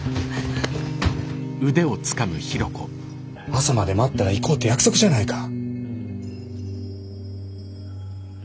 朝まで待ったら行こうって約束じゃないか。